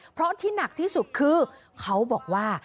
เพราะที่หนักที่สุดคือเขาบอกว่า